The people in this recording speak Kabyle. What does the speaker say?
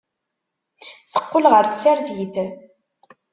Teqqel ɣer tsertit.